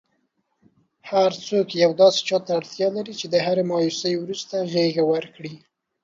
هرڅوک یو داسي چاته اړتیا لري چي د هري مایوسۍ وروسته غیږه ورکړئ.!